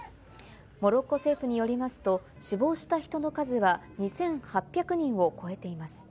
モロッコ政府によりますと、死亡した人の数は２８００人を超えています。